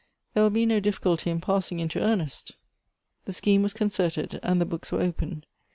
There will be no difficulty in passing into earnest." The scheme was concerted, and the books were opened.